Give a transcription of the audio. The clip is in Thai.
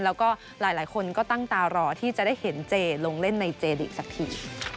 แล้วก็หลายคนก็ตั้งตารอที่จะได้เห็นเจลงเล่นในเจดีกสักที